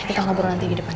kita ngobrol nanti di depan